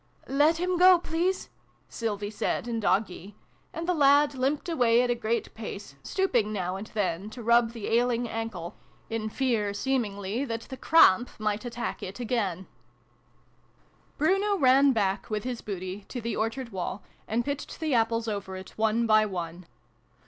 " Let him go, please," Sylvie said in Doggee, and the lad limped away at a great pace, stooping now and then to rub the ailing ankle, 64 SYLVIE AND BRUNO CONCLUDED. iv] THE DOG KING. 65 in fear, seemingly, that the ' crahmp ' might attack it again. Bruno ran back, with his booty, to the orchard wall, and pitched the apples over it one by one.